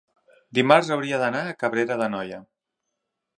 dimarts hauria d'anar a Cabrera d'Anoia.